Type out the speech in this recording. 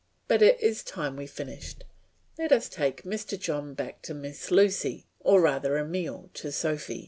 But it is time we finished. Let us take Mr. John back to Miss Lucy, or rather Emile to Sophy.